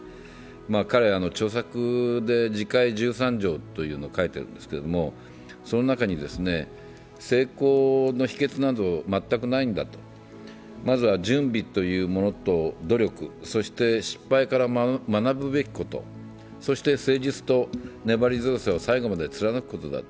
彼は著作で「自戒１３条」というのを書いているんですけどその中に、成功というのは全くないんだ、まずは準備というものと努力、そして失敗から学ぶべきこと、そして誠実と粘り強さを最後まで貫くことだと。